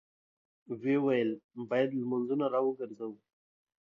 ويې ويل: بايد لمونځونه راوګرځوو!